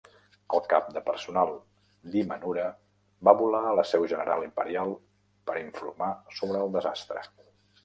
El cap de personal d'Imamura va volar a la seu general Imperial per informar sobre el desastre.